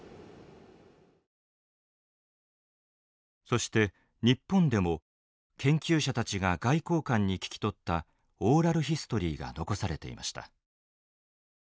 そして日本でも研究者たちが外交官に聞き取ったオーラル・ヒストリーが残されていました。